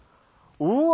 うわ！